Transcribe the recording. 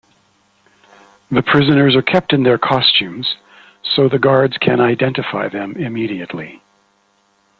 The prisoners are kept in their costumes so the guards can identify them immediately.